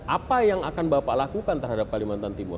apa yang akan bapak lakukan terhadap kalimantan timur